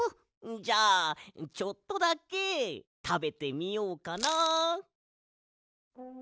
じゃあちょっとだけたべてみようかなあ。